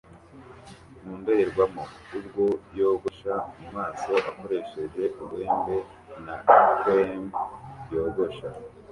mu ndorerwamo ubwo yogosha mu maso akoresheje urwembe na cream yogosha